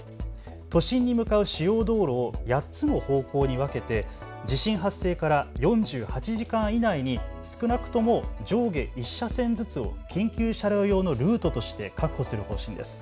都心に向かう主要道路を８つの方向に分けて地震発生から４８時間以内に少なくとも上下１車線ずつを緊急車両用のルートとして確保する方針です。